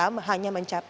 hitam hanya mencapai